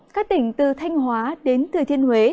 các tỉnh từ thanh hóa đến thừa thiên huế